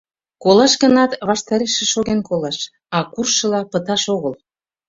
Колаш гынат, ваштарешыже шоген колаш, а куржшыла пыташ огыл».